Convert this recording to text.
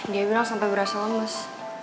dia bilang sampai berasa lemes